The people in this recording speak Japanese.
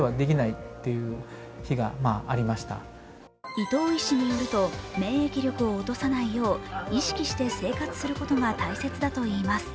伊藤医師によると、免疫力を落とさないよう意識して生活することが大切だといいます。